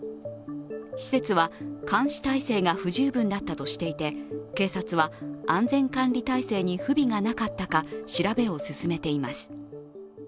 施設は監視態勢が不十分だったとして、警察は安全管理体制に不備がなかったか調べを進めています。